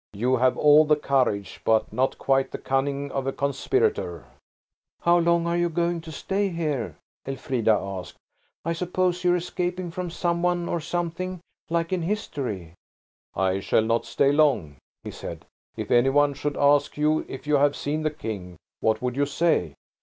You have all the courage, but not quite the cunning of a conspirator." "How long are you going to stay here?" Elfrida asked. "I suppose you're escaping from some one or something, like in history?" "I shall not stay long," he said. "If any one should ask you if you have seen the King, what would you say?"